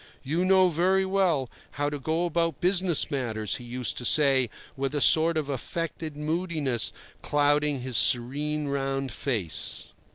"You know very well how to go about business matters," he used to say, with a sort of affected moodiness clouding his serene round face.